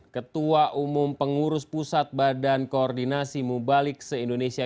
ketua umum pengurus pusat badan koordinasi mubalik se indonesia